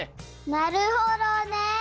なるほどね！